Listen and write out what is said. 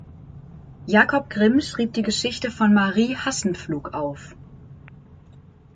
Jacob Grimm schrieb die Geschichte von Marie Hassenpflug auf.